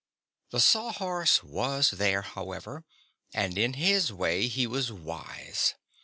The Sawhorse was there, however, and in his way he was wise.